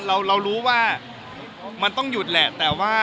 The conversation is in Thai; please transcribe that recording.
เรารู้ว่ามันต้องหยุดแหละแต่ว่า